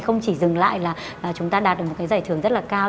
không chỉ dừng lại là chúng ta đạt được một cái giải thưởng rất là cao